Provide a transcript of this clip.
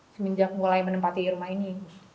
semenjak mulai menempati rumah ini